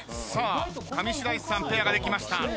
さあ上白石さんペアができました。